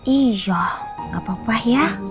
iya gak apa apa ya